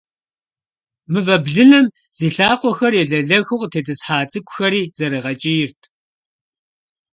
Мывэ блыным зи лъакъуэхэр елэлэхыу къытетIысхьа цIыкIухэри зэрыгъэкIийрт.